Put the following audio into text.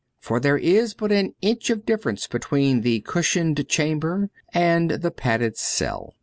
For there is but an inch of difference between the cushioned chamber and the padded cell.